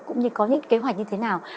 cũng như có những kế hoạch như thế nào